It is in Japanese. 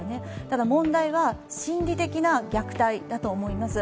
ただ問題は、心理的な虐待だと思います。